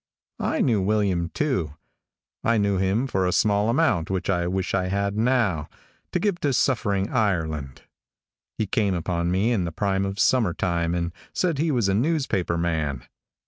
I knew William too. I knew him for a small amount which I wish I had now, to give to suffering Ireland. He came upon me in the prime of summer time and said he was a newspaper man.